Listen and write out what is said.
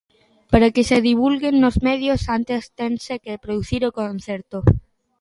Para que se divulgue nos medios, antes tense que producir o concerto.